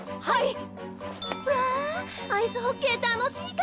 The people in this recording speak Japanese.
はい！